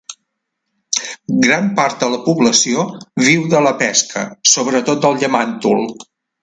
Gran part de la població viu de la pesca, sobretot del llamàntol.